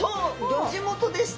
ギョ地元でした。